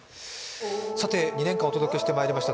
さて２年間お届けしてまいりました